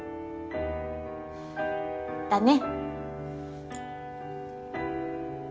だね。